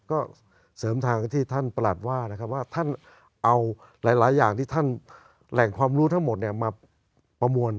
ก็เสริมทางที่ท่านประหลัดว่านะครับว่าท่านเอาหลายอย่างที่ท่านแหล่งความรู้ทั้งหมดมาประมวล